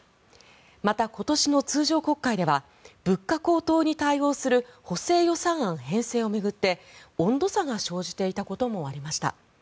また今年の通常国会では物価高騰に対応する補正予算案編成を巡って温度差が生じていたこともありました。